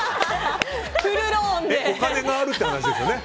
お金があるって話ですよね。